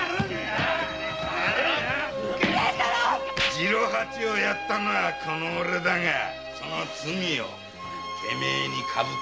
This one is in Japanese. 次郎八を殺したのはこのおれだがその罪をてめえにかぶってもらうぜ。